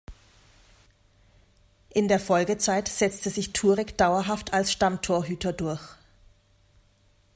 In der Folgezeit setzte sich Turek dauerhaft als Stammtorhüter durch.